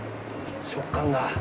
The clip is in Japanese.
食感が。